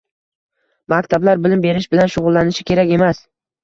Maktablar bilim berish bilan shug‘ullanishi kerak emas.